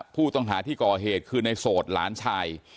ผู้ต้องหาที่ก่อเหตุคือในโสดหลานชาย